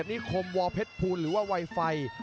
ทุกคนสามารถยินได้